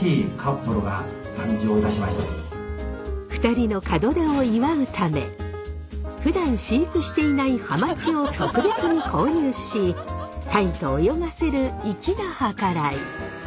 ２人の門出を祝うためふだん飼育していないハマチを特別に購入しタイと泳がせる粋な計らい。